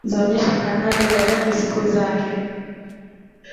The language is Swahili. zaonyesha kanali gaddafi siku zake